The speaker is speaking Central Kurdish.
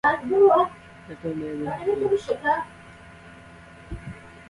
لە تۆم دەوێت بەهێز بیت.